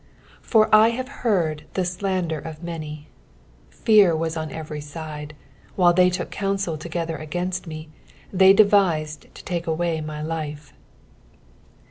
13 For 1 have heard the slander of many : fear wtts on every side : while they took counsel together against me, they devised to take away my life.